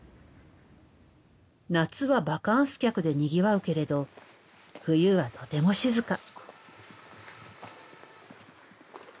夏はバカンス客でにぎわうけれど冬はとても静か。